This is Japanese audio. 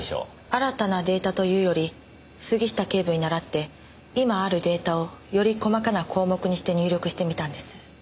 新たなデータというより杉下警部に倣って今あるデータをより細かな項目にして入力してみたんです。